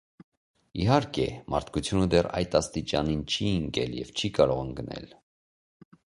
- Իհարկե, մարդկությունը դեռ այդ աստիճանին չի ընկել և չի կարող ընկնել: